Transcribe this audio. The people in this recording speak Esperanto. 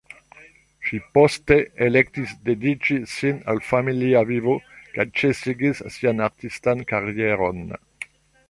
Ŝi poste elektis dediĉi sin al familia vivo kaj ĉesigis sian artistan karieron.